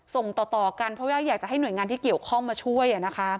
ส่งต่อกันเพราะว่าอยากจะให้หน่วยงานที่เกี่ยวข้องมาช่วย